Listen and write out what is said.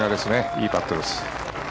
いいパットです。